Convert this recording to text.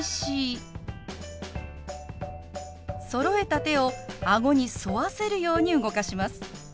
そろえた手を顎に沿わせるように動かします。